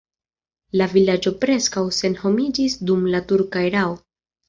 La vilaĝo preskaŭ senhomiĝis dum la turka erao.